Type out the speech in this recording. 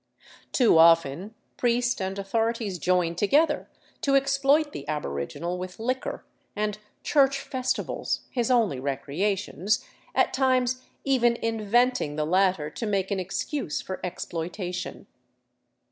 Too often priest and authorities join together to exploit the aboriginal with liquor and church festivals, his only recreations, at times even inventing the latter to make an excuse for exploitation.